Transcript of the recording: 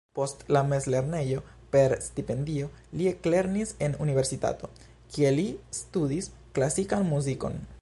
Post la mezlernejo, per stipendio li eklernis en universitato, kie li studis klasikan muzikon.